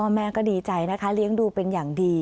แม่ก็ดีใจนะคะเลี้ยงดูเป็นอย่างดี